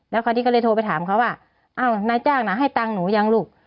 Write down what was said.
แล้วคราวนี้ก็เลยโทรไปถามเขาว่าอ้าวนายจ้างน่ะให้ตังค์หนูยังลูก